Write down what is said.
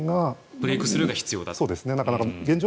ブレークスルーが必要だと。